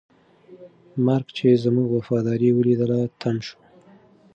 مرګ چې زموږ وفاداري ولیدله، تم شو.